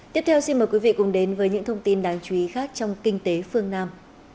tiếp theo xin mời quý vị cùng đến với những thông tin đáng chú ý khác trong kinh tế phương nam